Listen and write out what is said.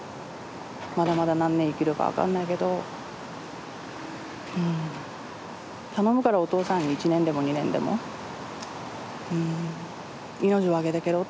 まだまだ何年生きるか分かんないけど頼むからお父さんに１年でも２年でも命分けてけろ」って。